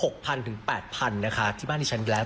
ค่าไฟปกติ๖๐๐๐๘๐๐๐บ้านที่ฉันแล้ว